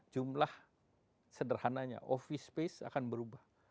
jumlah sederhananya office space akan berubah